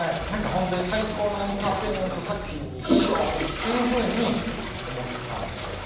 ほんとに最高のエンターテインメント作品にしようっていうふうに思ったんでしょうね。